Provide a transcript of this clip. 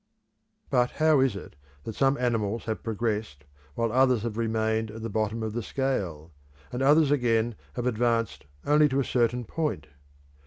But how is it that some animals have progressed while others have remained at the bottom of the scale, and others again have advanced only to a certain point?